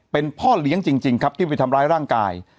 เป็นพ่อเลี้ยงจริงครับที่ไปทำร้ายร่างกาย